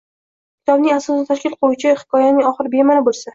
Kitobning asosini tashkil etuvchi hikoyaning oxiri bema’ni bo’lsa